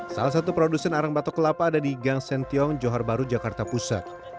salah satu produsen arang batok kelapa ada di gang sentiong johar baru jakarta pusat